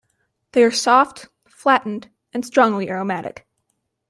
They are soft, flattened, and strongly aromatic.